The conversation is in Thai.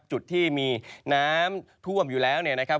จุดที่มีน้ำท่วมอยู่แล้วเนี่ยนะครับ